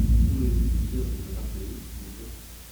Pouvez-vous lui dire de me rappeler s’il vous plait ?